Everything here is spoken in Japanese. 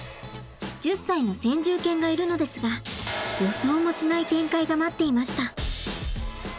１０歳の先住犬がいるのですが予想もしない展開が待っていました。